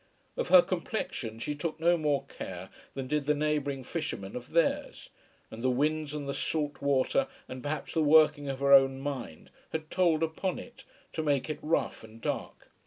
Of her complexion she took no more care than did the neighbouring fishermen of theirs, and the winds and the salt water, and perhaps the working of her own mind, had told upon it, to make it rough and dark.